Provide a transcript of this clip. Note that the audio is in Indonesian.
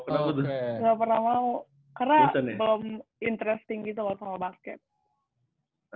gak pernah mau karena belum interesting gitu loh sama basket